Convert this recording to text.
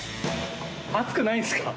熱くないんですか？